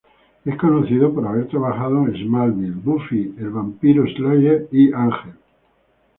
Es conocido por haber trabajado en "Smallville", "Buffy the Vampire Slayer" y "Ángel".